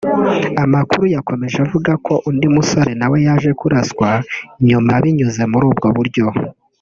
Amakuru yakomeje avuga ko undi musore nawe yaje kuraswa nyuma binyuze muri ubwo buryo